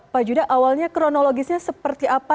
pak judah awalnya kronologisnya seperti apa